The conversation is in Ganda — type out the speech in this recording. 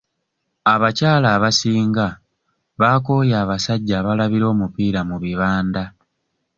Abakyala abasinga baakooye abasajja abalabira omupiira mu bibanda.